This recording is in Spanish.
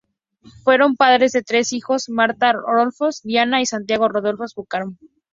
Fueron padres de tres hijos: Martha Roldós, Diana y Santiago Roldós Bucaram.